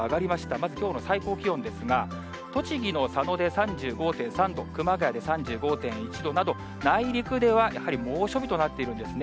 まずきょうの最高気温ですが、栃木の佐野で３５．３度、熊谷で３５．１度など、内陸ではやはり猛暑日となっているんですね。